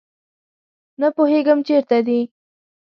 نه پوهیږم چیرته دي